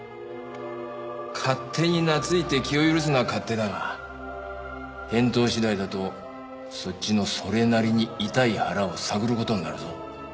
勝手に懐いて気を許すのは勝手だが返答次第だとそっちのそれなりに痛い腹を探る事になるぞ。